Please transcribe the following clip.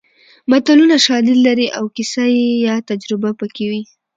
متلونه شالید لري او کیسه یا تجربه پکې وي